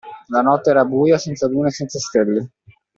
La notte era buia, senza luna e senza stelle.